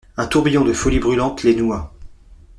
Un tourbillon de folie brûlante les noua.